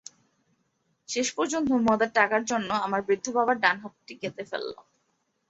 শেষ পর্যন্ত মদের টাকার জন্য আমার বৃদ্ধ বাবার ডান হাতটি কেটে ফেলল।